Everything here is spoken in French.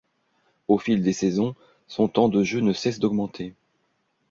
Au fil des saisons, son temps de jeu ne cesse d'augmenter.